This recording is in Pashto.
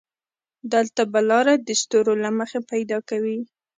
دلته به لاره د ستورو له مخې پيدا کوې.